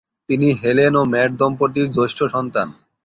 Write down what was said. তিনি হেলেন ও ম্যাট দম্পতির জ্যেষ্ঠ সন্তান।